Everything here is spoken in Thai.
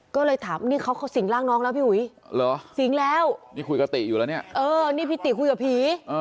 ก็เลยถามนี่เขาสิงร่างน้องแล้วพี่หุยสิงแล้วนี่พี่ติคุยกับผี